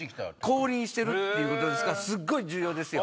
降臨してるっていうことですからすごい重要ですよ。